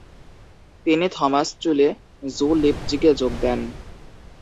তিনি থোমাসচুলে জু লিপজিগে যোগ দেন।